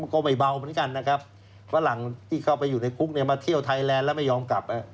ก็ไม่เบาเหมือนกันนะครับฝรั่งที่เข้าไปอยู่ในคุกเนี่ยมาเที่ยวไทยแลนด์แล้วไม่ยอมกลับ